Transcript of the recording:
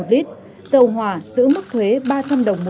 một lít dầu hỏa giữ mức thuế ba trăm linh đồng một